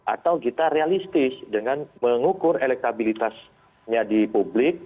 atau kita realistis dengan mengukur elektabilitasnya di publik